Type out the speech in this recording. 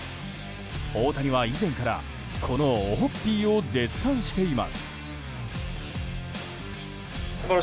大谷は以前からこのオホッピーを絶賛しています。